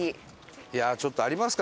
いやあちょっとありますか？